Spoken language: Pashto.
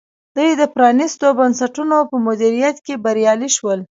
دوی د پرانیستو بنسټونو په مدیریت کې بریالي شول.